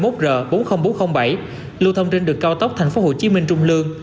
từ lúc sáu h năm mươi một h bốn mươi nghìn bốn trăm linh bảy lưu thông trên đường cao tốc tp hcm trung lương